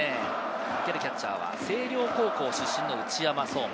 受けるキャッチャーは星稜高校出身の内山壮真。